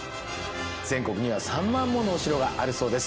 全国には３万ものお城があるそうです。